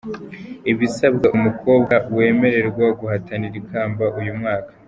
Ibisabwa umukobwa wemererwa guhatanira ikamba uyu mwaka: